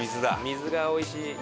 水がおいしい。